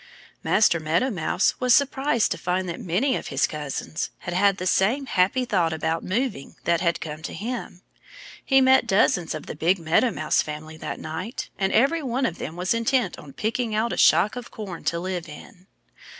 Master Meadow Mouse was surprised to find that many of his cousins had had the same happy thought about moving that had come to him. He met dozens of the big Meadow Mouse family that night. And every one of them was intent on picking out a shock of corn to live in.